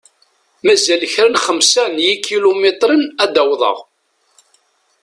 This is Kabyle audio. Mazal azal n xemsa n ikilumitren ad awḍeɣ.